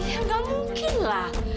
ya nggak mungkin lah